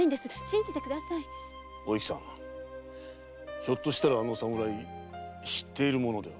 ひょっとしたらあの侍知っている者では？